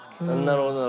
なるほどね。